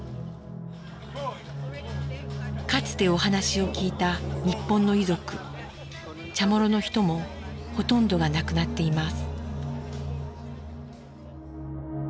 かつてお話を聞いた日本の遺族チャモロの人もほとんどが亡くなっています。